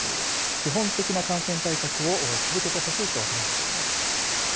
基本的な感染対策を続けてほしいと話しています。